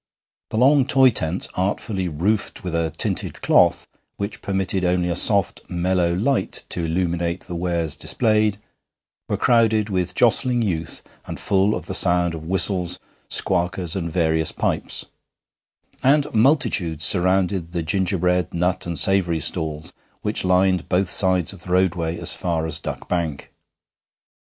The long toy tents, artfully roofed with a tinted cloth which permitted only a soft, mellow light to illuminate the wares displayed, were crowded with jostling youth and full of the sound of whistles, 'squarkers,' and various pipes; and multitudes surrounded the gingerbread, nut, and savoury stalls which lined both sides of the roadway as far as Duck Bank.